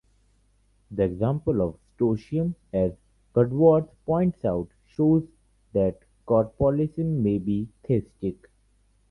The example of Stoicism, as Cudworth points out, shows that corporealism may be theistic.